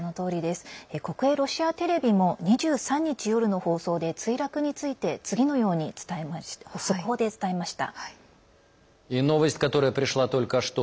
国営ロシアテレビも２３日夜の放送で墜落について次のように速報で伝えました。